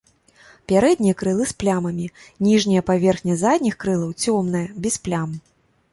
Пярэднія крылы з плямамі, ніжняя паверхня задніх крылаў цёмная, без плям.